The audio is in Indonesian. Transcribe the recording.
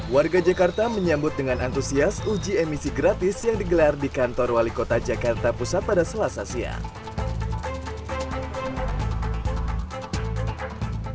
warga jakarta menyambut dengan antusias uji emisi gratis yang digelar di kantor wali kota jakarta pusat pada selasa siang